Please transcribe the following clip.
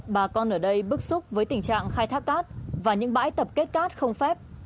bà con ở đây bức xúc với tình trạng khai thác cát và những bãi tập kết cát không phép